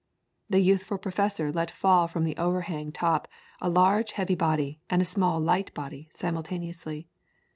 The youthful professor let fall from the overhanging top a large heavy body and a small light body simultaneously.